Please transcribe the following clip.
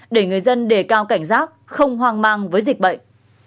để người dân đề cao cảnh giác không hoang mang với dịch bệnh